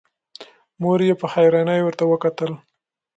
مور يې په حيرانی ورته وکتل.